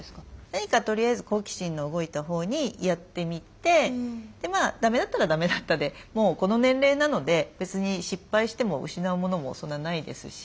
何かとりあえず好奇心の動いたほうにやってみてまあだめだったらだめだったでもうこの年齢なので別に失敗しても失うものもそんなないですし。